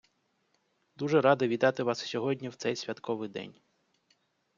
Дуже радий вітати вас сьогодні в цей святковий день.